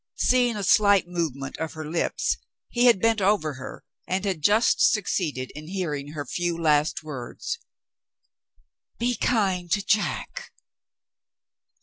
Seeing a slight movement of her lips, he had bent over her, and had just succeeded in hearing her few last words, "Be kind to Jack."